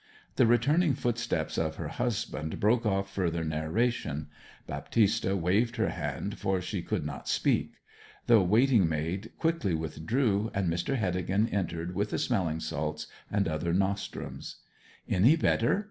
The returning footsteps of her husband broke off further narration. Baptista waved her hand, for she could not speak. The waiting maid quickly withdrew, and Mr. Heddegan entered with the smelling salts and other nostrums. 'Any better?'